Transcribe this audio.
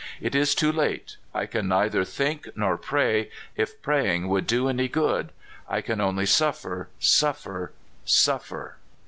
It is too late. I can neither think nor pray, if pray ing would do any good. I can only suffer, suffer, suffer!"